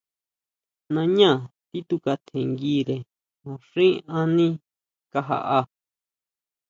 Nañá tituka tjinguire naxín aní kajaʼá.